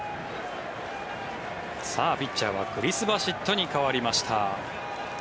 ピッチャーはクリス・バシットに代わりました。